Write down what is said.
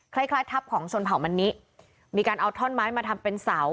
คล้ายทัพของชนมัณฑิมีการเอาถ้อนไม้มาทำเป็นเส๋า